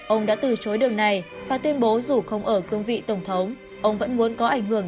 ông đã từ chối điều này và tuyên bố dù không ở cương vị tổng thống ông vẫn muốn có ảnh hưởng